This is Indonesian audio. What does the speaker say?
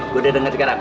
gue udah denger sekarang